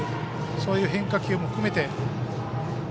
そういう変化球も含めて。